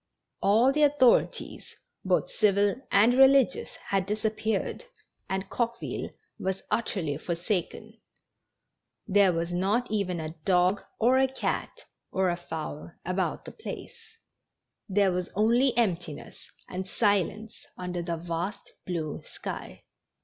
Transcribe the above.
All the authorities, both civil and religious, hau disi.ppeared, and Coqueville was utterly forsaken ; iliere v as not even a dog or a cat or a fowl about the placel Tln re was only emptiness and silence under the vast blue sky.